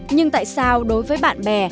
nhưng tại sao đối với bạn bè